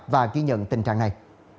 và ghi nhận tình trạng này